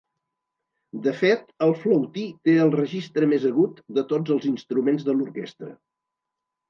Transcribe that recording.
De fet, el flautí té el registre més agut de tots els instruments de l'orquestra.